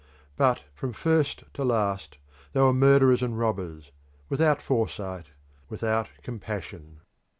But from first to last they were murderers and robbers, without foresight, without compassion.